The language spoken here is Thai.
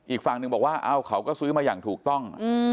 อีกฝั่งหนึ่งบอกว่าเขาก็ซื้อมาอย่างถูกต้อง